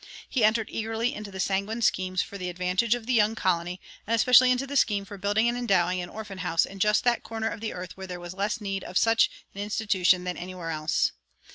He entered eagerly into the sanguine schemes for the advantage of the young colony, and especially into the scheme for building and endowing an orphan house in just that corner of the earth where there was less need of such an institution than anywhere else.